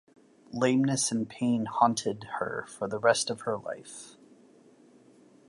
Lameness and pain haunted her for the rest of her life.